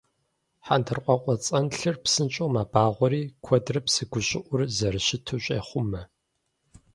ХьэндыркъуакъуэцӀэнлъыр псынщӀэу мэбагъуэри куэдрэ псы гущӀыӀур зэрыщыту щӀехъумэ.